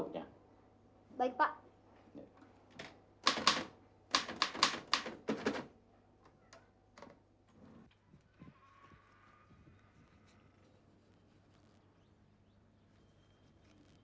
menjadi kemampuan anda